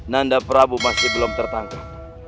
nanda prabu masih belum tertangkap